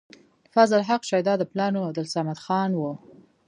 فضل حق شېدا د پلار نوم عبدالصمد خان وۀ